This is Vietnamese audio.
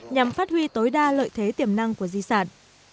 nhằm phát huy tối đa lợi thế tiềm năng của di sản